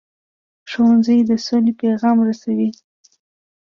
ښوونځی د سولې پیغام رسوي